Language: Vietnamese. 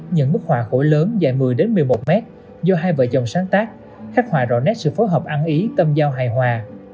nhận mức hòa khổ lớn dài một mươi một mươi một mét do hai vợ chồng sáng tác khách hòa rõ nét sự phối hợp ăn ý tâm giao hài hòa